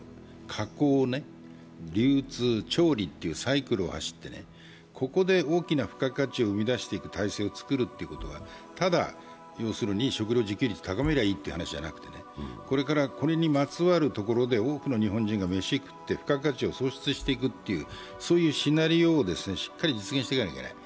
加工、流通、調理というサイクルを走って、ここで大きな付加価値を生み出す体制をつくり出すということはただ、食料自給率高めればいいということではなくてこれからこれにまつわる所で多くの日本人が飯を食って付加価値を創出していくというシナリオをしっかり実現していかなきゃいけない。